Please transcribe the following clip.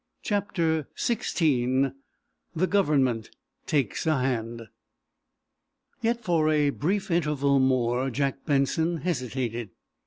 CHAPTER XVI THE GOVERNMENT TAKES A HAND Yet, for a brief interval more, Jack Benson hesitated.